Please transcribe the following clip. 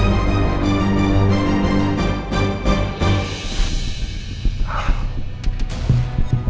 gak akan terjadi kok